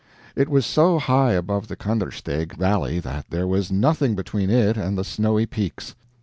It was so high above the Kandersteg valley that there was nothing between it and the snowy peaks.